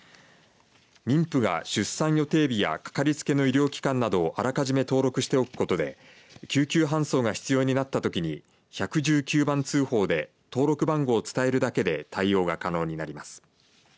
妊婦が出産予定日やかかりつけの医療機関などをあらかじめ登録しておくことで救急搬送が必要になったときに１１９番通報で登録番号を伝えるだけで対応が可能になります。